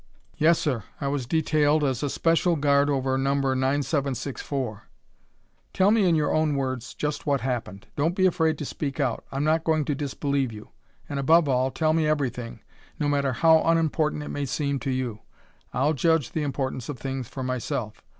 "Yes, sir. I was detailed as a special guard over No. 9764." "Tell me in your own words just what happened. Don't be afraid to speak out; I'm not going to disbelieve you; and above all, tell me everything, no matter how unimportant it may seem to you. I'll judge the importance of things for myself.